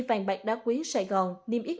vàng bạc đá quý sài gòn niêm yết